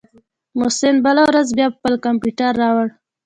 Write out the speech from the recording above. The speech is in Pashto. محسن بله ورځ بيا خپل کمپيوټر راوړ.